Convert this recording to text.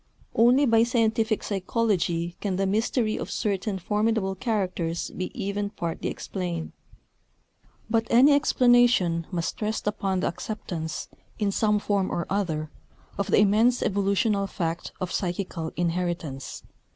Only by scientific psychology can the mystery of certain formidable characters be even partly explained; but any explanation must rest upon the acceptance, in some form or other, of the immense evolutional fact of psychical inheritance.